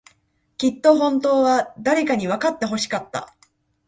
きっと、本当は、誰かにわかってほしかった。